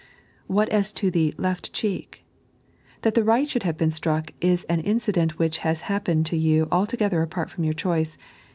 What aa to the left cheek % That the right should have been stnick 19 an incident which baa happened to you altogether apart from your choice.